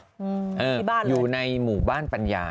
ที่บ้านอยู่ในหมู่บ้านปัญญา